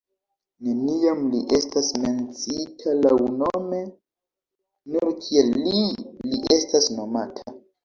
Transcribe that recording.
Neniam li estas menciita laŭnome, nur kiel “Li” li estas nomata.